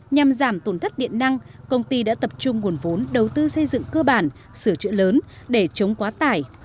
nhằm giảm tổn thất điện năng công ty đã tập trung nguồn vốn đầu tư xây dựng cơ bản sửa chữa lớn để chống quá tải